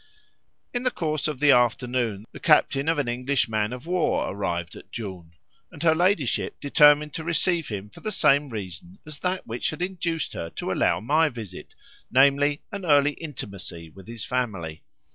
In the course of the afternoon the captain of an English man of war arrived at Djoun, and her ladyship determined to receive him for the same reason as that which had induced her to allow my visit, namely, an early intimacy with his family.